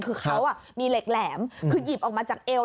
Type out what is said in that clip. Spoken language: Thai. คือเขามีเหล็กแหลมคือหยิบออกมาจากเอว